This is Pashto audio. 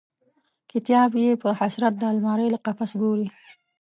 کتاب یې په حسرت د المارۍ له قفس ګوري